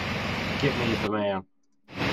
Get me the man.